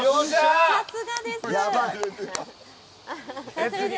さすがです。